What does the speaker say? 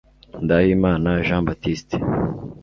ndahimana jean baptiste